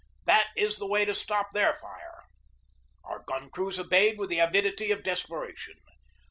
That is the way to stop their fire!" Our gun crews obeyed with the avidity of des peration.